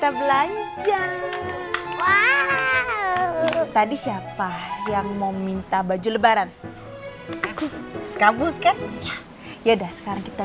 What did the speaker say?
tablan jauh tadi siapa yang mau minta baju lebaran aku kaburkan yaudah sekarang kita